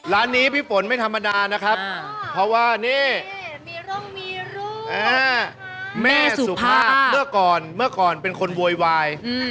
ร้านนี้พี่ฝนไม่ธรรมดานะครับเพราะว่านี่แม่สุภาพเมื่อก่อนเมื่อก่อนเป็นคนโวยวาย